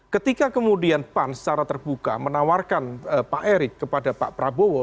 ketika kemudian pan secara terbuka menawarkan pak erick kepada pak prabowo